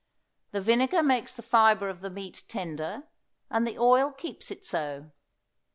The vinegar makes the fibre of the meat tender, and the oil keeps it so.